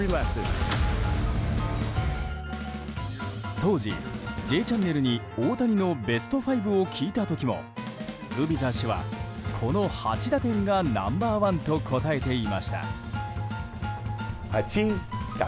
当時、「Ｊチャンネル」に大谷のベスト５を聞いた時もグビザ氏はこの８打点がナンバー１と答えていました。